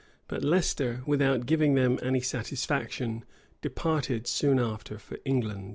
But Leicester, without giving them any satisfaction, departed soon after for England.